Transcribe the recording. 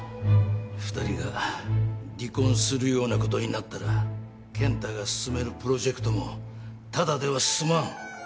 ２人が離婚するようなことになったら健太が進めるプロジェクトもただでは済まん。